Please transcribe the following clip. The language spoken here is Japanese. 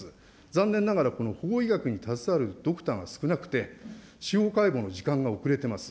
残念ながら、この法医学に携わるドクターが少なくて、司法解剖の時間が遅れてます。